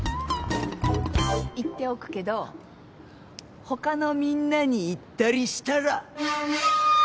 言っておくけどほかのみんなに言ったりしたら。